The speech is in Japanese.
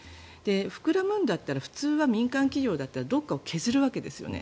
膨らむんだったら普通は民間企業だったらどこかを削るわけですよね。